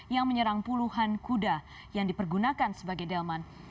yang menyerang puluhan kuda yang dipergunakan sebagai delman